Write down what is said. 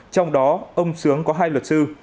trong đó ông sướng có hai luật sư